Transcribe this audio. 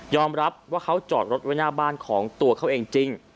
รับว่าเขาจอดรถไว้หน้าบ้านของตัวเขาเองจริง